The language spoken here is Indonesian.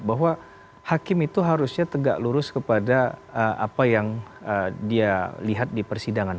bahwa hakim itu harusnya tegak lurus kepada apa yang dia lihat di persidangan